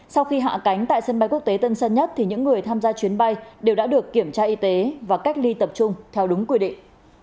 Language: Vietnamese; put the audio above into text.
sau khi hạ cánh tại sân bay quốc tế tân sân nhất thì những người tham gia chuyến bay đều đã được kiểm tra y tế và cách ly tập trung theo đúng quy định